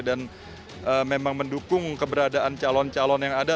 dan memang mendukung keberadaan calon calon yang ada